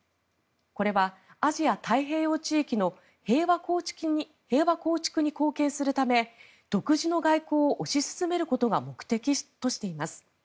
これはアジア太平洋地域の平和構築に貢献するため独自の外交を推し進めることが目的としています。